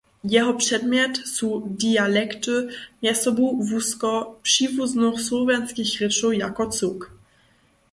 Jeho předmjet su dialekty mjezsobu wusko přiwuznych słowjanskich rěčow jako cyłk.